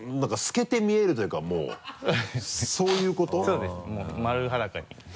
そうですもう丸裸に。